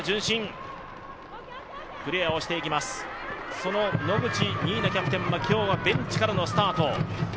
その野口初奈キャプテンは今日はベンチからスタート。